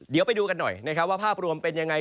เดี๋ยวไปดูกันหน่อยนะครับว่าภาพรวมเป็นยังไง